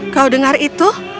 kau dengar itu